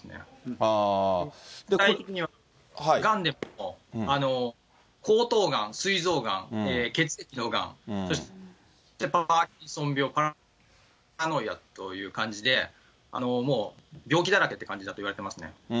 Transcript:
具体的には、がんでも、喉頭がん、すい臓がん、血液のがん、そしてパーキンソン病、という感じで、もう、病気だらけって感じだといわれてますね。